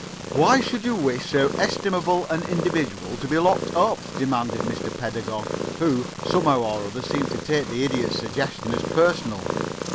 "Why should you wish so estimable an individual to be locked up?" demanded Mr. Pedagog, who, somehow or other, seemed to take the Idiot's suggestion as personal.